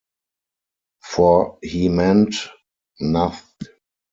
For he meant nought.